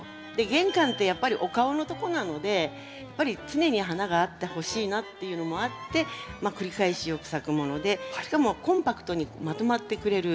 玄関ってやっぱりお顔のとこなのでやっぱり常に花があってほしいなっていうのもあって繰り返しよく咲くものでしかもコンパクトにまとまってくれる。